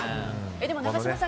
でも、永島さん